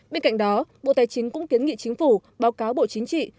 bên cạnh đó bộ tài chính cũng kiến nghị chính phủ báo cáo bộ chính trị